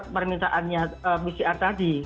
permintaannya pcr tadi